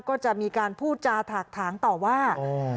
ก็จะมีการพูดจาถากถางต่อว่า